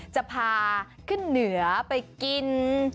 จะพาขึ้นเหนือไปกิน